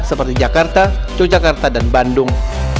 seperti jakarta yogyakarta dan bandung